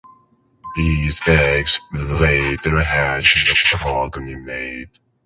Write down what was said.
These eggs later hatch and the progeny mate.